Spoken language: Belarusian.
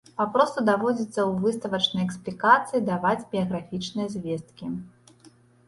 Папросту даводзіцца ў выставачнай эксплікацыі даваць біяграфічныя звесткі.